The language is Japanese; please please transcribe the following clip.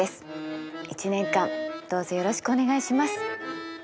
１年間どうぞよろしくお願いします。